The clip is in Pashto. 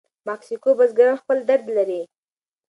مکسیکو بزګران خپل درد لري.